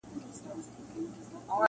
استادانو چلول درانه بارونه -